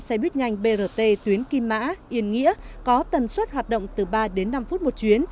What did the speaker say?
ba mươi năm xe buýt nhanh brt tuyến kim mã yên nghĩa có tần suất hoạt động từ ba đến năm phút một chuyến